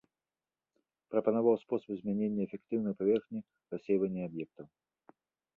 Прапанаваў спосаб змянення эфектыўнай паверхні рассейвання аб'ектаў.